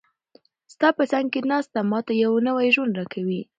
ستا په څنګ کې ناسته، ما ته یو نوی ژوند راکوي.